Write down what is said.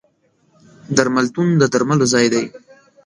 درملتون د درملو ځای دی.